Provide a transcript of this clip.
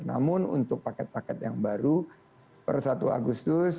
namun untuk paket paket yang baru per satu agustus